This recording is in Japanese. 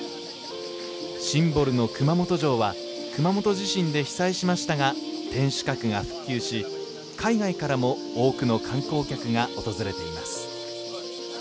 シンボルの熊本城は熊本地震で被災しましたが天守閣が復旧し、海外からも多くの観光客が訪れています。